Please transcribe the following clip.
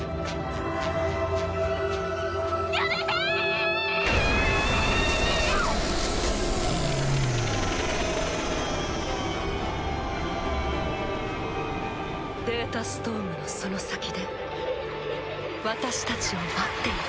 やめて‼データストームのその先で私たちを待っている。